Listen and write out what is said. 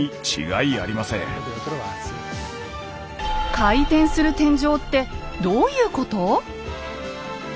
回転する天井ってどういうこと？